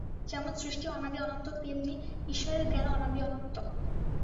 যেমন সৃষ্টি অনাদি অনন্ত, তেমনি ঈশ্বরের জ্ঞানও অনাদি অনন্ত।